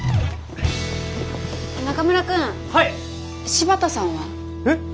柴田さんは？えっ？